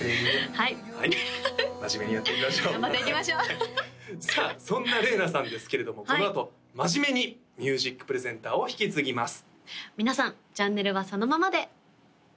はい真面目にやっていきましょう頑張っていきましょうさあそんなれいなさんですけれどもこのあと真面目にミュージック・プレゼンターを引き継ぎます